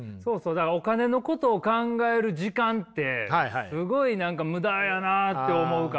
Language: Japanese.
だからお金のことを考える時間ってすごい何か無駄やなって思うから。